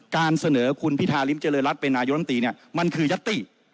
การเสนอคุณพิทาริมเจริรัติเป็นนายุลัมติมันคือยัตติ